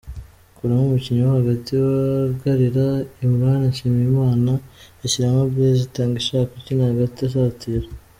Akuramo umukinnyi wo hagati wugarira Imran Nshiyimana ashyiramo Blaise Itangishaka ukina hagati asatira.